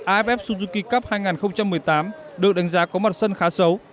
aff suzuki cup hai nghìn một mươi tám được đánh giá có mặt sân khá xấu